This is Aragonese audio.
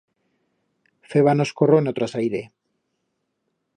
Fébanos corro en o trasaire.